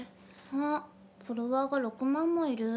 あっフォロワーが６万もいる。